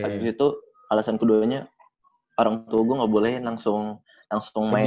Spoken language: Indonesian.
lalu itu alasan kedua nya orang tua gua gak boleh langsung langsung main